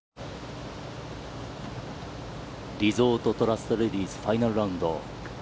リゾートトラストレディスファイナルラウンド。